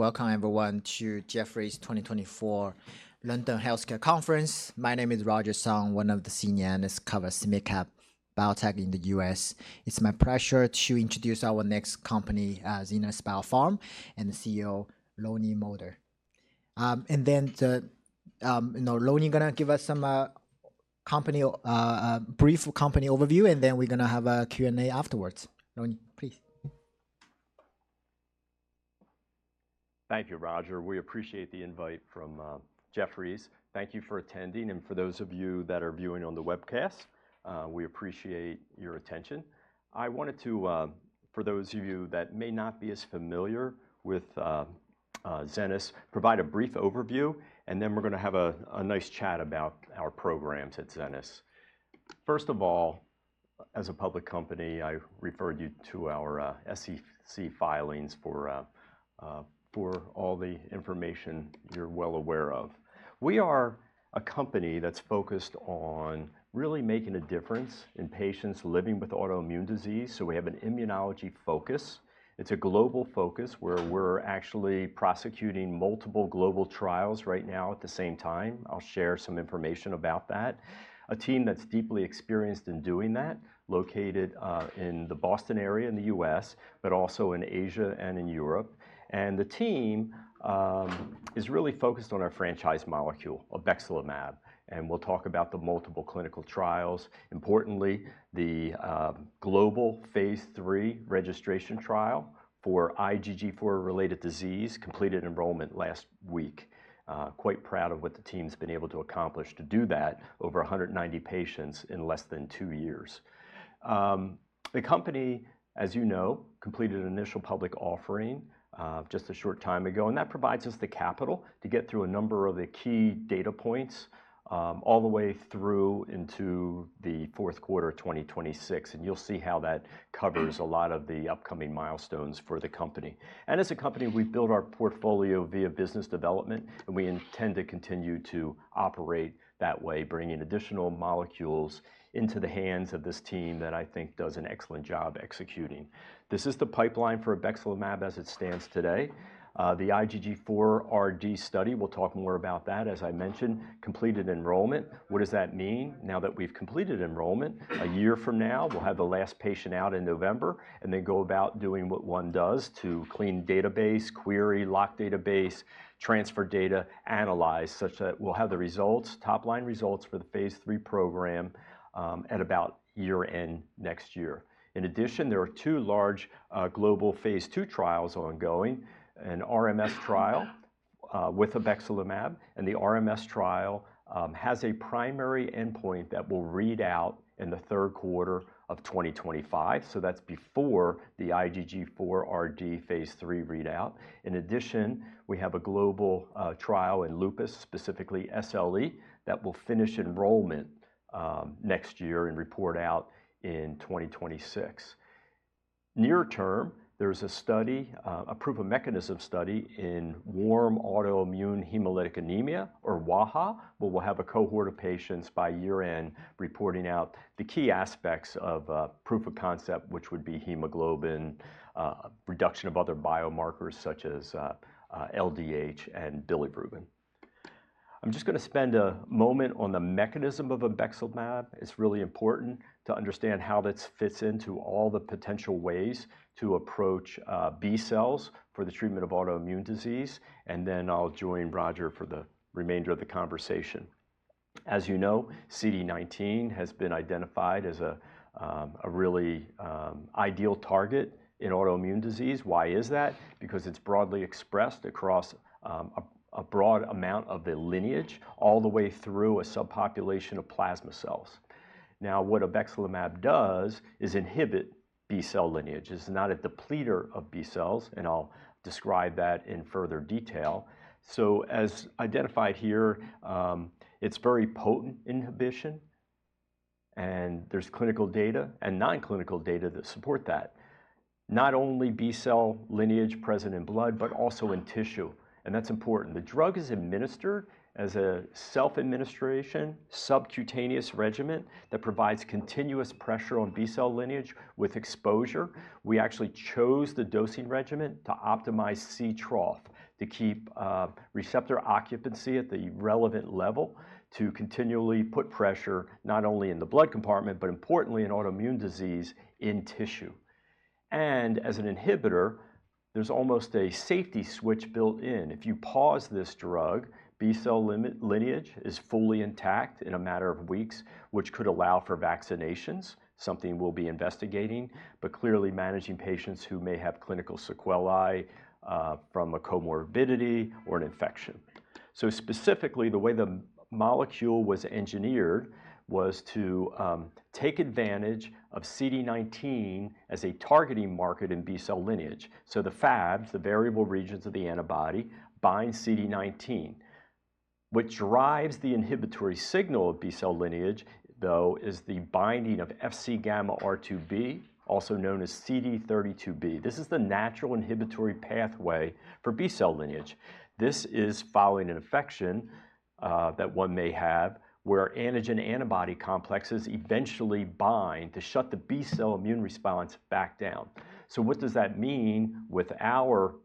Welcome, everyone, to Jefferies 2024 London Healthcare Conference. My name is Roger Song, one of the senior analysts covering SMID-cap biotech in the U.S. It's my pleasure to introduce our next company, Zenas BioPharma, and the CEO, Lonnie Moulder. And then Lonnie is going to give us a brief company overview, and then we're going to have a Q&A afterwards. Lonnie, please. Thank you, Roger. We appreciate the invite from Jefferies. Thank you for attending, and for those of you that are viewing on the webcast, we appreciate your attention. I wanted to, for those of you that may not be as familiar with Zenas, provide a brief overview, and then we're going to have a nice chat about our programs at Zenas. First of all, as a public company, I referred you to our SEC filings for all the information you're well aware of. We are a company that's focused on really making a difference in patients living with autoimmune disease, so we have an immunology focus. It's a global focus where we're actually prosecuting multiple global trials right now at the same time. I'll share some information about that. A team that's deeply experienced in doing that, located in the Boston area in the U.S. but also in Asia and in Europe. And the team is really focused on our franchise molecule, obexelimab. And we'll talk about the multiple clinical trials. Importantly, the global phase III registration trial for IgG4-related disease completed enrollment last week. Quite proud of what the team's been able to accomplish to do that over 190 patients in less than two years. The company, as you know, completed an initial public offering just a short time ago, and that provides us the capital to get through a number of the key data points all the way through into the fourth quarter of 2026. And you'll see how that covers a lot of the upcoming milestones for the company. As a company, we build our portfolio via business development, and we intend to continue to operate that way, bringing additional molecules into the hands of this team that I think does an excellent job executing. This is the pipeline for obexelimab as it stands today. The IgG4-RD study, we'll talk more about that, as I mentioned, completed enrollment. What does that mean? Now that we've completed enrollment, a year from now, we'll have the last patient out in November, and then go about doing what one does to clean database, query, lock database, transfer data, analyze such that we'll have the results, top-line results for the phase III program at about year-end next year. In addition, there are two large global phase II trials ongoing, an RMS trial with obexelimab. And the RMS trial has a primary endpoint that will read out in the third quarter of 2025. So that's before the IgG4-RD phase III readout. In addition, we have a global trial in lupus, specifically SLE, that will finish enrollment next year and report out in 2026. Near term, there's a study, a proof-of-mechanism study, in warm autoimmune hemolytic anemia or wAIHA, where we'll have a cohort of patients by year-end reporting out the key aspects of proof of concept, which would be hemoglobin, reduction of other biomarkers such as LDH and bilirubin. I'm just going to spend a moment on the mechanism of obexelimab. It's really important to understand how this fits into all the potential ways to approach B cells for the treatment of autoimmune disease. And then I'll join Roger for the remainder of the conversation. As you know, CD19 has been identified as a really ideal target in autoimmune disease. Why is that? Because it's broadly expressed across a broad amount of the lineage all the way through a subpopulation of plasma cells. Now, what obexelimab does is inhibit B cell lineage. It's not a depleter of B cells, and I'll describe that in further detail. So as identified here, it's very potent inhibition, and there's clinical data and non-clinical data that support that. Not only B cell lineage present in blood but also in tissue. And that's important. The drug is administered as a self-administration subcutaneous regimen that provides continuous pressure on B cell lineage with exposure. We actually chose the dosing regimen to optimize C trough to keep receptor occupancy at the relevant level to continually put pressure not only in the blood compartment but importantly in autoimmune disease in tissue. And as an inhibitor, there's almost a safety switch built in. If you pause this drug, B cell lineage is fully intact in a matter of weeks, which could allow for vaccinations, something we'll be investigating but, clearly, managing patients who may have clinical sequelae from a comorbidity or an infection. So specifically, the way the molecule was engineered was to take advantage of CD19 as a targeting marker in B cell lineage. So the Fabs, the variable regions of the antibody, bind CD19. What drives the inhibitory signal of B cell lineage, though, is the binding of FcgammaRIIB, also known as CD32B. This is the natural inhibitory pathway for B cell lineage. This is following an infection that one may have where antigen-antibody complexes eventually bind to shut the B cell immune response back down. So what does that mean with our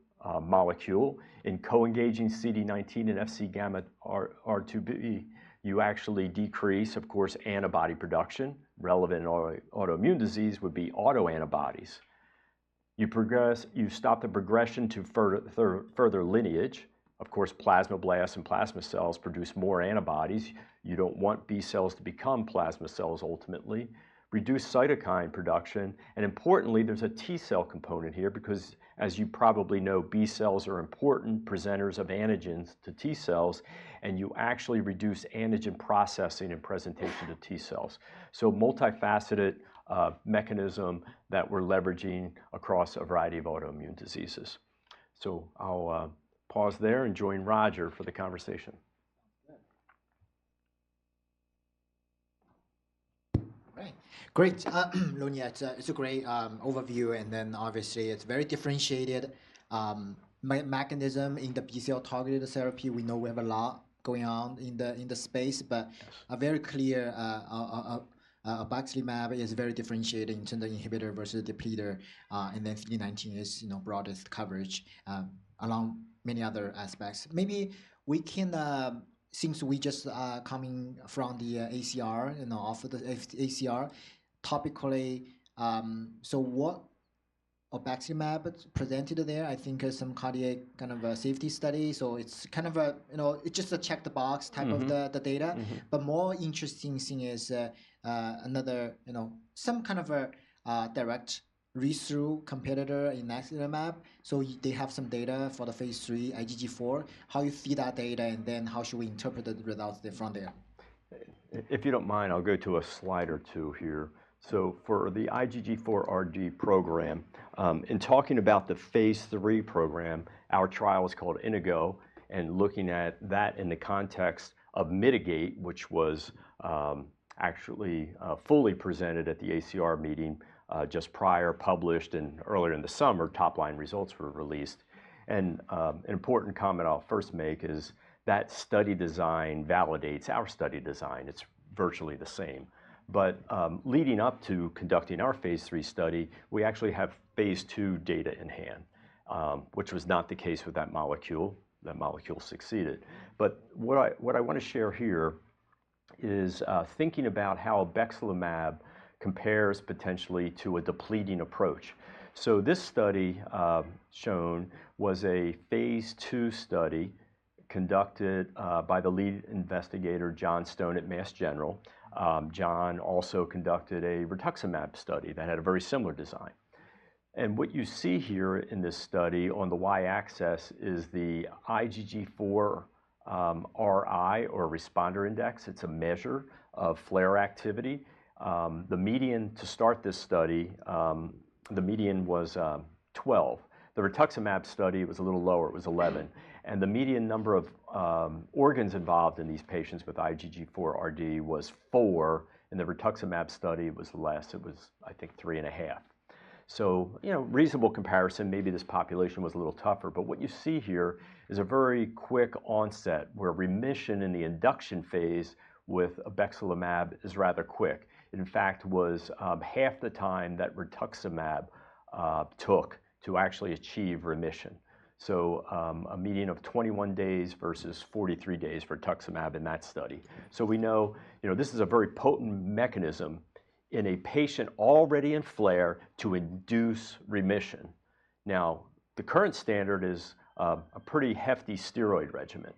molecule? In co-engaging CD19 and FcgammaRIIB, you actually decrease, of course, antibody production. Relevant in autoimmune disease would be autoantibodies. You stop the progression to further lineage. Of course, plasmablasts and plasma cells produce more antibodies. You don't want B cells to become plasma cells ultimately. Reduce cytokine production. And importantly, there's a T cell component here because, as you probably know, B cells are important presenters of antigens to T cells, and you actually reduce antigen processing and presentation to T cells, so multifaceted mechanism that we're leveraging across a variety of autoimmune diseases. So I'll pause there and join Roger for the conversation. Great. Great. Lonnie, it's a great overview. And then obviously, it's very differentiated. Mechanism in the B cell targeted therapy, we know we have a lot going on in the space, but very clear, obexelimab is very differentiated in terms of inhibitor versus depleter. And then CD19 is broadest coverage, along many other aspects. Maybe we can, since we just are coming from the ACR, off of the ACR, topically, so what obexelimab presented there, I think some cardiac kind of safety study. So it's kind of a it's just a check the box type of the data, but more interesting thing is another, some kind of a direct read-through competitor in obexelimab. So they have some data for the phase III IgG4. How you see that data. And then how should we interpret the results from there? If you don't mind, I'll go to a slide or two here. For the IgG4-RD program, in talking about the phase III program, our trial was called INDIGO, and looking at that in the context of MITIGATE, which was actually fully presented at the ACR meeting just prior, published, and earlier in the summer, top line results were released. An important comment I'll first make is that study design validates our study design. It's virtually the same. Leading up to conducting our phase III study, we actually have phase II data in hand, which was not the case with that molecule. That molecule succeeded, but what I want to share here is thinking about how obexelimab compares potentially to a depleting approach. This study shown was a phase II study conducted by the lead investigator John Stone at Mass General. John also conducted a rituximab study that had a very similar design. What you see here in this study, on the y-axis, is the IgG4 RI or responder index. It's a measure of flare activity. The median to start this study was 12. The rituximab study was a little lower. It was 11. The median number of organs involved in these patients with IgG4-RD was four, and the rituximab study was less. It was, I think, three and a half, so reasonable comparison. Maybe this population was a little tougher. What you see here is a very quick onset where remission in the induction phase with obexelimab is rather quick. In fact, it was half the time that rituximab took to actually achieve remission, a median of 21 days versus 43 days for rituximab in that study. We know this is a very potent mechanism in a patient already in flare to induce remission. Now, the current standard is a pretty hefty steroid regimen.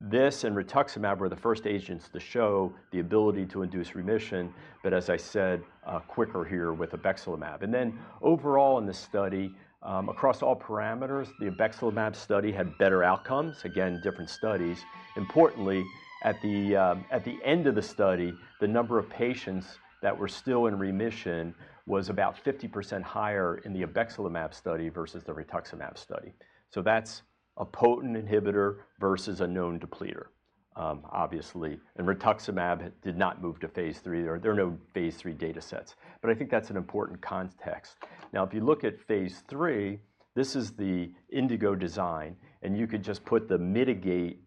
This and rituximab were the first agents to show the ability to induce remission, but as I said, quicker here with obexelimab. And then overall in the study, across all parameters, the obexelimab study had better outcomes. Again, different studies. Importantly, at the end of the study, the number of patients that were still in remission was about 50% higher in the obexelimab study versus the rituximab study. So that's a potent inhibitor versus a known depleter, obviously. And rituximab did not move to phase III. There are no phase III data sets, but I think that's an important context. Now, if you look at phase III, this is the INDIGO design, and you could just put the MITIGATE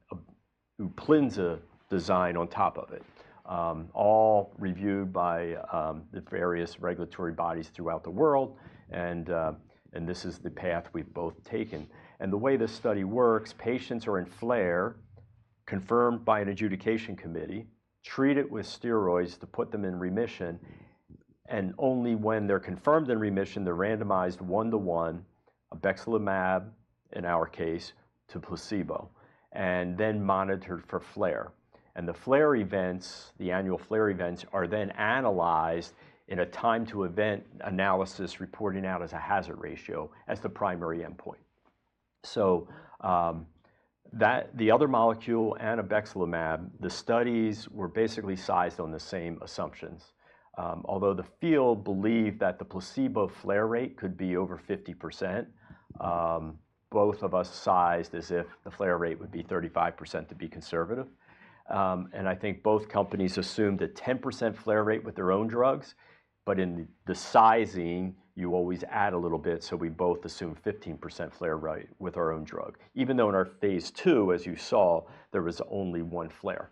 UPLIZNA design on top of it, all reviewed by the various regulatory bodies throughout the world, and this is the path we've both taken. And the way the study works, patients are in flare, confirmed by an adjudication committee, treated with steroids to put them in remission. And only when they're confirmed in remission they're randomized one-to-one obexelimab, in our case, to placebo, and then monitored for flare. And the flare events, the annual flare events, are then analyzed in a time-to-event analysis reporting out as a hazard ratio as the primary endpoint. So the other molecule and obexelimab, the studies were basically sized on the same assumptions. Although the field believed that the placebo flare rate could be over 50%, both of us sized as if the flare rate would be 35%, to be conservative. And I think both companies assumed a 10% flare rate with their own drugs, but in the sizing, you always add a little bit, so we both assumed 15% flare rate with our own drug, even though in our phase II, as you saw, there was only one flare.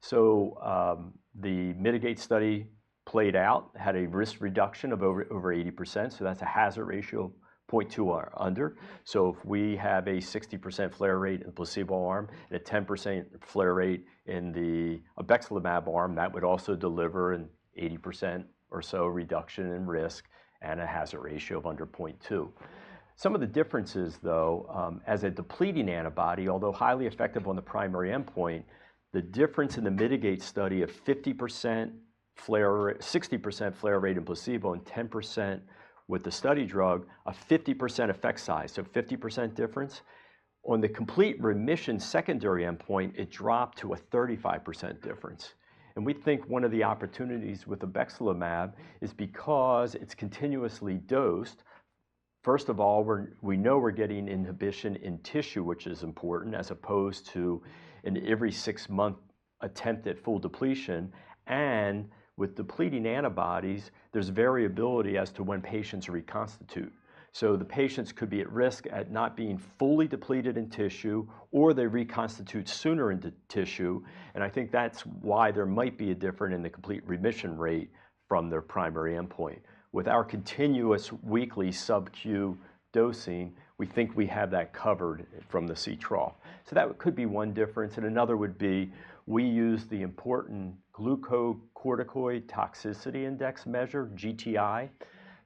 So the MITIGATE study played out, had a risk reduction of over 80%, so that's a hazard ratio 0.2 or under, so if we have a 60% flare rate in the placebo arm and a 10% flare rate in the obexelimab arm, that would also deliver an 80% or so reduction in risk and a hazard ratio of under 0.2. Some of the differences, though, as a depleting antibody, although highly effective on the primary endpoint, the difference in the MITIGATE study of 60% flare rate and placebo in 10%; with the study drug a 50% effect size, so 50% difference. On the complete remission secondary endpoint, it dropped to a 35% difference. We think one of the opportunities with obexelimab is because it's continuously dosed. First of all, we know we're getting inhibition in tissue, which is important, as opposed to an every-six-month attempt at full depletion. With depleting antibodies, there's variability as to when patients reconstitute. So the patients could be at risk at not being fully depleted in tissue, or they reconstitute sooner into tissue. I think that's why there might be a difference in the complete remission rate from their primary endpoint. With our continuous weekly subq dosing, we think we have that covered from the C trough. So that could be one difference. And another would be we use the important glucocorticoid toxicity index measure, GTI.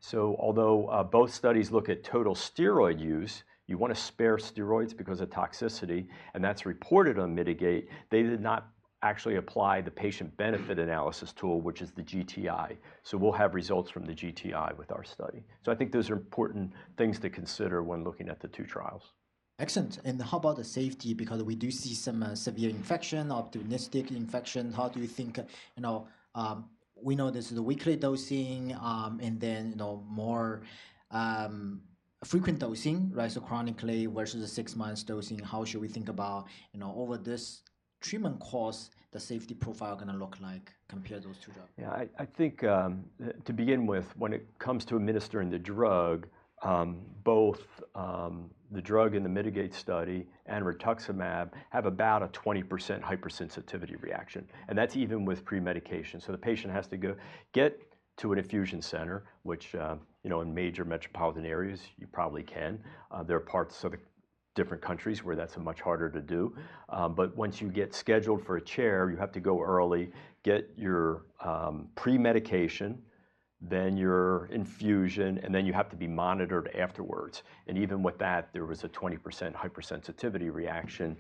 So although both studies look at total steroid use, you want to spare steroids because of toxicity, and that's reported on MITIGATE. They did not actually apply the patient benefit analysis tool, which is the GTI. So we'll have results from the GTI with our study. So I think those are important things to consider when looking at the two trials. Excellent. And how about the safety? Because we do see some severe infection, opportunistic infection. How do you think? We know this is the weekly dosing and then more frequent dosing, right? So chronically versus the six months dosing. How should we think about, over this treatment course, the safety profile going to look like compared to those two drugs? Yeah, I think, to begin with, when it comes to administering the drug, both the drug in the MITIGATE study and rituximab have about a 20% hypersensitivity reaction. And that's even with pre-medication. So the patient has to go, get to an infusion center, which in major metropolitan areas, you probably can. There are parts of different countries where that's much harder to do, but once you get scheduled for a chair, you have to go early, get your pre-medication, then your infusion. And then you have to be monitored afterwards. And even with that, there was a 20% hypersensitivity reaction.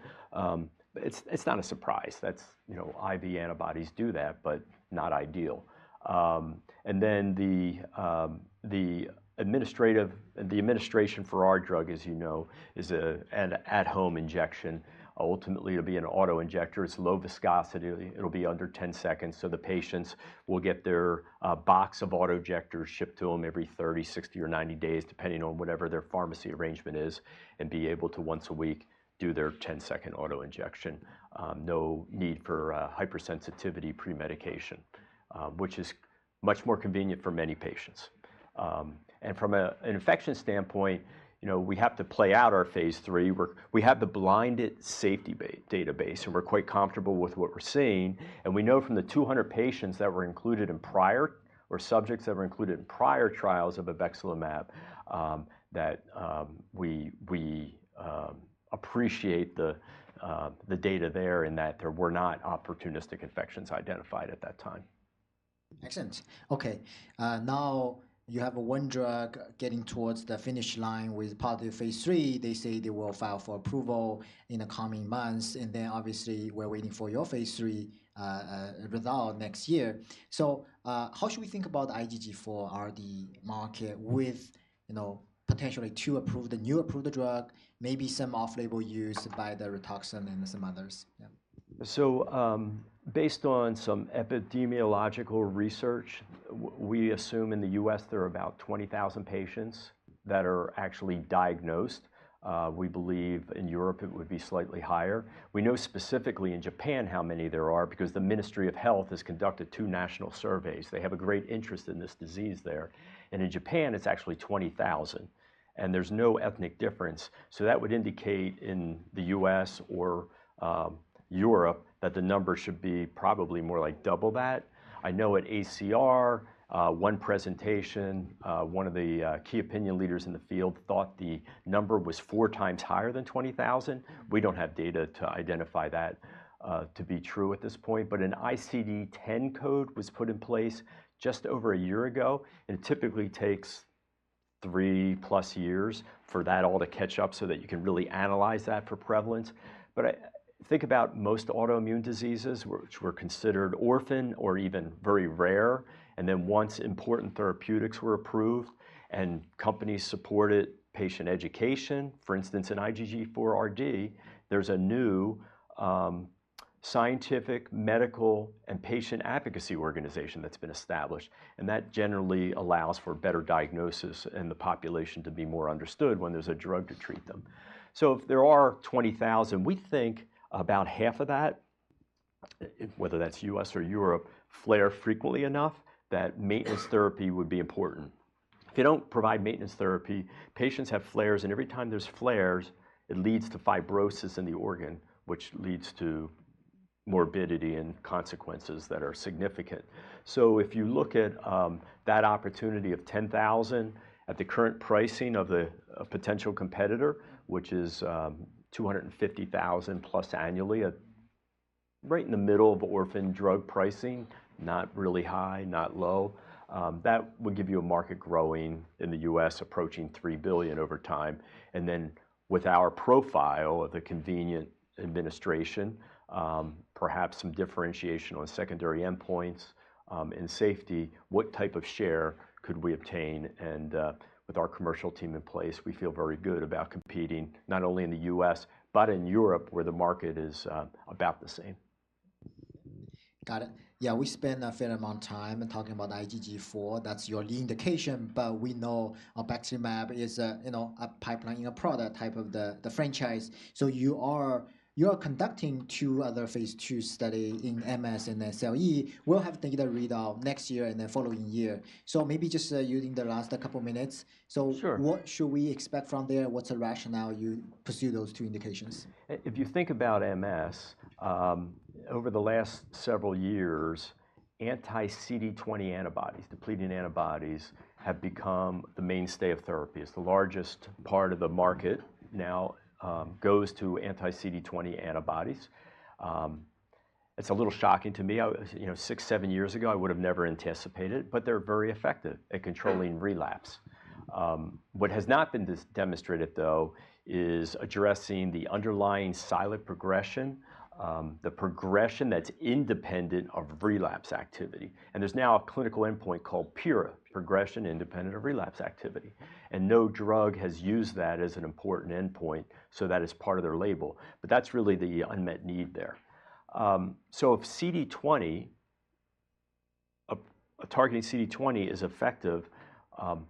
It's not a surprise. IV antibodies do that, but not ideal. And then the administration for our drug, as you know, is an at-home injection. Ultimately, it'll be an autoinjector. It's low viscosity. It'll be under 10 seconds. The patients will get their box of autoinjectors shipped to them every 30, 60, or 90 days, depending on whatever their pharmacy arrangement is, and be able to once a week do their 10-second autoinjection. No need for hypersensitivity pre-medication, which is much more convenient for many patients. From an infection standpoint, we have to play out our phase III. We have the blinded safety database, and we're quite comfortable with what we're seeing. We know from the 200 patients or subjects that were included in prior trials of obexelimab that we appreciate the data there and that there were not opportunistic infections identified at that time. Excellent. Okay. Now you have one drug getting towards the finish line. With positive phase III, they say they will file for approval in the coming months. And then obviously, we're waiting for your phase III result next year, so how should we think about the IgG4-RD market with potentially two approved, new approved drug, maybe some off-label use by the rituximab and some others? Based on some epidemiological research, we assume in the U.S. there are about 20,000 patients that are actually diagnosed. We believe in Europe it would be slightly higher. We know specifically in Japan how many there are because the ministry of health has conducted two national surveys. They have a great interest in this disease there. In Japan, it's actually 20,000. There's no ethnic difference, so that would indicate in the U.S. or Europe that the number should be probably more like double that. I know, at ACR, one presentation, one of the key opinion leaders in the field thought the number was 4x higher than 20,000. We don't have data to identify that to be true at this point, but an ICD-10 code was put in place just over a year ago. And it typically takes three+ years for that all to catch up so that you can really analyze that for prevalence, but think about most autoimmune diseases which were considered orphan or even very rare. And then once important therapeutics were approved and companies supported patient education, for instance, in IgG4-RD, there's a new scientific, medical, and patient advocacy organization that's been established. And that generally allows for better diagnosis and the population to be more understood when there's a drug to treat them. So if there are 20,000, we think about half of that, whether that's U.S. or Europe, flare frequently enough that maintenance therapy would be important. If you don't provide maintenance therapy: Patients have flares, and every time there's flares, it leads to fibrosis in the organ, which leads to morbidity and consequences that are significant. So if you look at that opportunity of 10,000 at the current pricing of the potential competitor, which is $250,000+ annually, right in the middle of orphan drug pricing, not really high, not low, that would give you a market growing in the U.S. approaching $3 billion over time. And then with our profile of the convenient administration, perhaps some differentiation on secondary endpoints in safety, what type of share could we obtain? And with our commercial team in place, we feel very good about competing not only in the U.S. but in Europe where the market is about the same. Got it. Yeah, we spent a fair amount of time talking about IgG4. That's your lead indication, but we know obexelimab is a pipeline in a product type of the franchise. So you are conducting two other phase II studies in MS and SLE. We'll have data readout next year and the following year. So maybe just using the last couple of minutes. So what should we expect from there? What's the rationale you pursue those two indications? If you think about MS. Over the last several years, anti-CD20 antibodies, depleting antibodies, have become the mainstay of therapy. It's the largest part of the market now goes to anti-CD20 antibodies. It's a little shocking to me. Six, seven years ago, I would have never anticipated it, but they're very effective at controlling relapse. What has not been demonstrated, though, is addressing the underlying silent progression, the progression that's independent of relapse activity. And there's now a clinical endpoint called PIRA, progression independent of relapse activity. And no drug has used that as an important endpoint, so that is part of their label, but that's really the unmet need there. So if targeting CD20 is effective,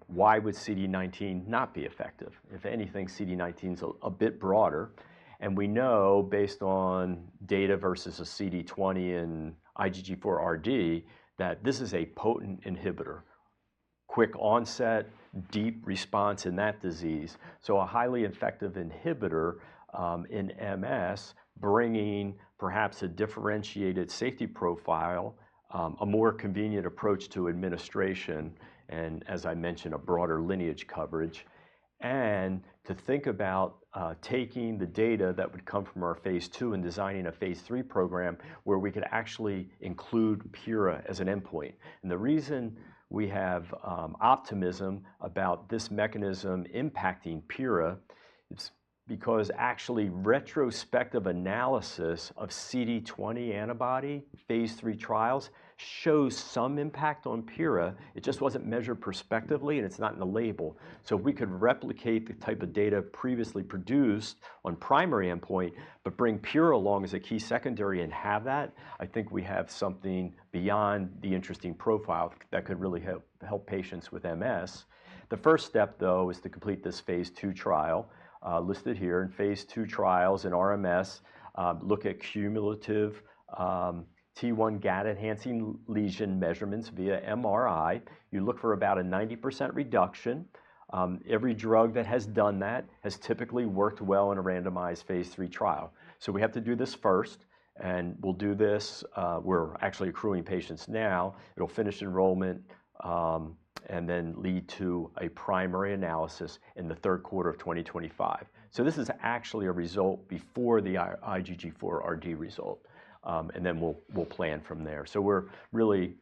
why would CD19 not be effective? If anything, CD19 is a bit broader. And we know, based on data versus a CD20 in IgG4-RD, that this is a potent inhibitor, quick onset, deep response in that disease, so a highly effective inhibitor in MS bringing perhaps a differentiated safety profile, a more convenient approach to administration and, as I mentioned, a broader lineage coverage. And to think about taking the data that would come from our phase II and designing a phase III program where we could actually include PIRA as an endpoint. And the reason we have optimism about this mechanism impacting PIRA is because actually retrospective analysis of CD20 antibody phase III trials shows some impact on PIRA. It just wasn't measured prospectively and it's not in the label. If we could replicate the type of data previously produced on primary endpoint but bring PIRA along as a key secondary and have that, I think we have something beyond the interesting profile that could really help patients with MS. The first step, though, is to complete this phase II trial listed here and phase II trials in RMS, look at cumulative T1 gadolinium-enhancing lesion measurements via MRI. You look for about a 90% reduction. Every drug that has done that has typically worked well in a randomized phase III trial. We have to do this first, and we'll do this. We're actually accruing patients now. It'll finish enrollment and then lead to a primary analysis in the third quarter of 2025. This is actually a result before the IgG4-RD result, and then we'll plan from there. So we're really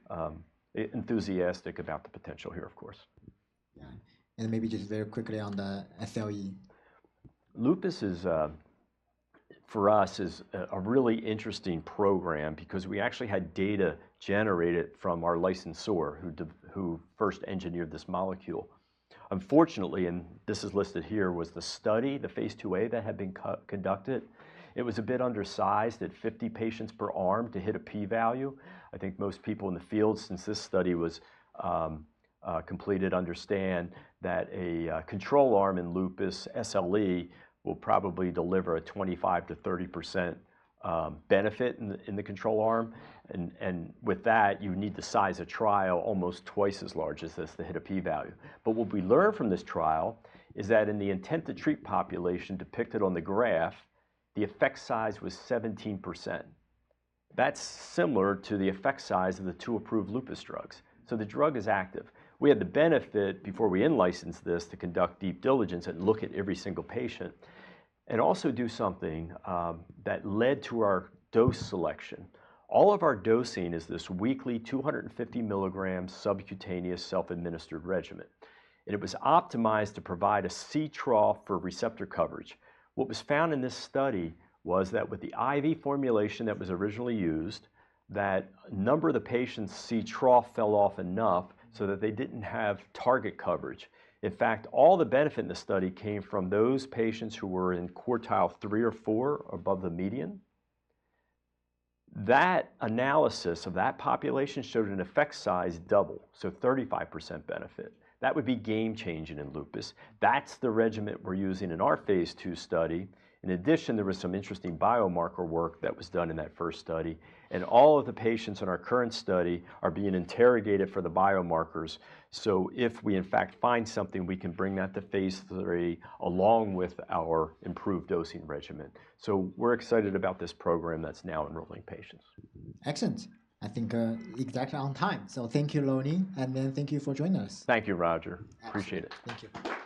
enthusiastic about the potential here, of course. Yeah, and maybe just very quickly on the SLE. Lupus is, for us, a really interesting program because we actually had data generated from our licensor who first engineered this molecule. Unfortunately, and this is listed here, was the study, the phase II-A that had been conducted. It was a bit undersized at 50 patients per arm to hit a P value. I think most people in the field, since this study was completed, understand that a control arm in lupus SLE will probably deliver a 25%-30% benefit in the control arm. And with that, you need to size a trial almost twice as large as this to hit a P value, but what we learned from this trial is that in the intent-to-treat population, depicted on the graph, the effect size was 17%. That's similar to the effect size of the two approved lupus drugs. So the drug is active. We had the benefit, before we in-licensed this, to conduct deep diligence and look at every single patient and also do something that led to our dose selection. All of our dosing is this weekly 250 mg subcutaneous self-administered regimen, and it was optimized to provide a C trough for receptor coverage. What was found in this study was that, with the IV formulation that was originally used, that number of the patients' C trough fell off enough so that they didn't have target coverage. In fact, all the benefit in the study came from those patients who were in quartile three or four above the median. That analysis of that population showed an effect size double, so 35% benefit. That would be game changing in Lupus. That's the regimen we're using in our phase II study. In addition, there was some interesting biomarker work that was done in that first study. And all of the patients in our current study are being interrogated for the biomarkers, so if we, in fact, find something, we can bring that to phase III along with our improved dosing regimen, so we're excited about this program that's now enrolling patients. Excellent, I think, exactly on time. So thank you, Lonnie. And thank you for joining us. Thank you, Roger. Appreciate it. Thank you.